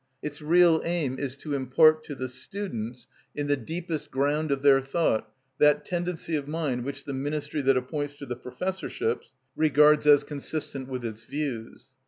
Its real aim is to impart to the students, in the deepest ground of their thought, that tendency of mind which the ministry that appoints to the professorships regards as consistent with its views.